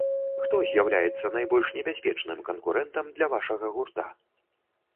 Хто з'яўляецца найбольш небяспечным канкурэнтам для вашага гурта?